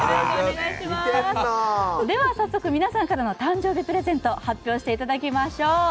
早速皆さんからの誕生日プレゼント発表していただきましょう。